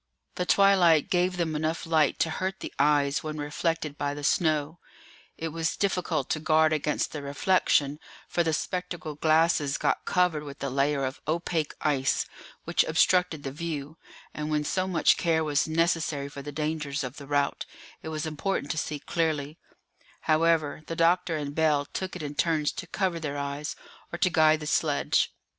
The twilight gave them enough light to hurt the eyes when reflected by the snow; it was difficult to guard against the reflection, for the spectacle glasses got covered with a layer of opaque ice which obstructed the view, and when so much care was necessary for the dangers of the route, it was important to see clearly; however, the doctor and Bell took it in turns to cover their eyes or to guide the sledge.